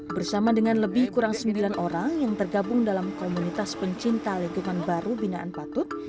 bersama dengan lebih kurang sembilan orang yang tergabung dalam komunitas pencinta lingkungan baru binaan patut